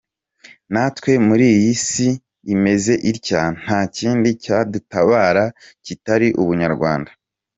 Natwe muri iyi Si imeze itya nta kindi cyadutabara kitari Ubunyarwanda.